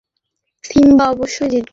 Simba অবশ্যই জিতবে।